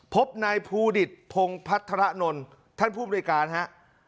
พบนายภูดิตพงพัฒระนนท์ท่านผู้บริการฮะ